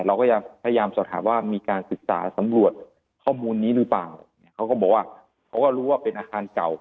เราก็ยังพยายามสอบถามว่ามีการศึกษาสำรวจข้อมูลนี้หรือเปล่าเนี่ยเขาก็บอกว่าเขาก็รู้ว่าเป็นอาคารเก่า